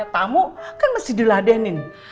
kamu kan masih diladenin